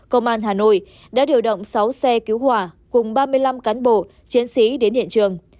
công an hà nội đã điều động sáu xe cứu hỏa cùng ba mươi năm cán bộ chiến sĩ đến hiện trường